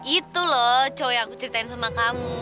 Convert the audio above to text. itu loh cowok yang aku ceritain sama kamu